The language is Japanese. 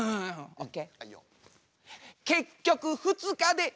ＯＫ。